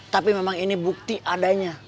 tapi memang ini bukti adanya